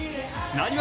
なにわ。